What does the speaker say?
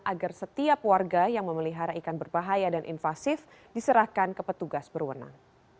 agar setiap warga yang memelihara ikan berbahaya dan invasif diserahkan ke petugas berwenang